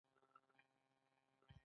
موضوع یې له تاوتریخوالي پاک مقاومت دی.